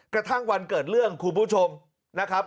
กระทั่งวันเกิดเรื่องคุณผู้ชมนะครับ